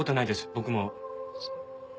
僕も。